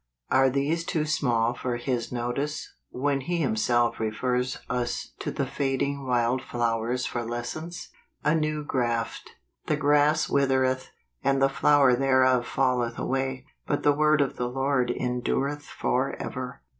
Are these too small for His notice, when He Himself refers us to the fading wild flowers for lessons ? A New Graft. " The grass withereth , and the flower thereof falleth away : But the word of the Lord endureth forever